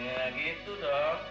ya gitu dong